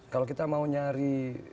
kalau kita mau nyari